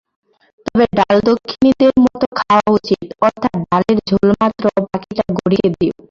তবে ডাল দক্ষিণীদের মত খাওয়া উচিত, অর্থাৎ ডালের ঝোলমাত্র, বাকীটা গরুকে দিও।